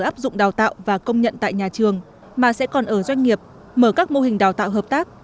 áp dụng đào tạo và công nhận tại nhà trường mà sẽ còn ở doanh nghiệp mở các mô hình đào tạo hợp tác